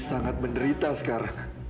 sangat menderita sekarang